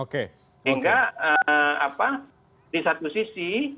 sehingga di satu sisi